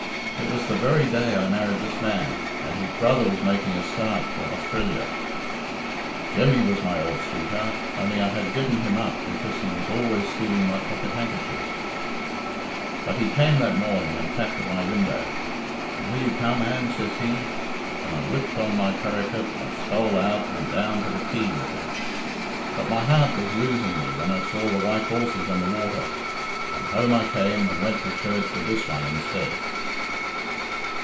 It was the very day I married this man, and his brother was making a start for Austrillya. Jemmy was my ould sweetheart, only I had given him up because he was always stealing my pocket handkerchers. But he came that morning and tapped at my window, and 'Will you come, Anne?' says he, and I whipped on my perricut and stole out and down to the quay with him. But my heart was losing me when I saw the white horses on the water, and home I came and went to church with this one instead."